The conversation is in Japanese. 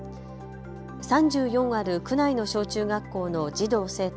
３４ある区内の小中学校の児童・生徒